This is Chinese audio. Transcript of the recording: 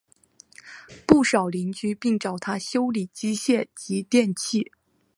不少邻居并找他修理机械及电器。